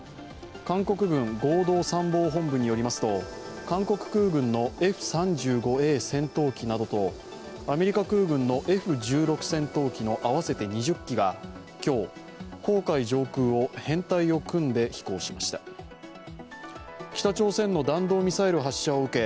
韓国軍合同参謀本部によりますと、韓国空軍のＦ３５Ａ戦闘機などとアメリカ空軍のＦ１６戦闘機の合わせて２０機が北朝鮮の弾道ミサイル発射を受け